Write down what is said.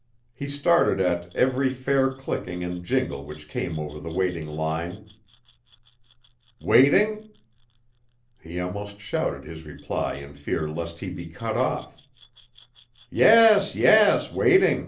He started at every fairy clicking and jingle which came over the waiting line. "Waiting?" He almost shouted his reply in fear lest he be cut off. "Yes! Yes! waiting.